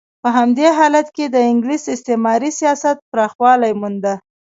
په همدې حالت کې د انګلیس استعماري سیاست پراخوالی مونده.